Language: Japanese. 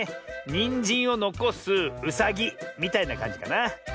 「にんじんをのこすうさぎ」みたいなかんじかな。